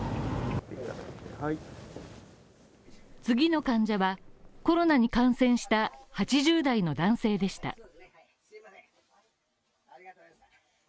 次の患者は、コロナに感染した８０代の男性でした。